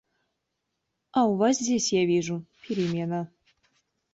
А у вас здесь, я вижу, перемена.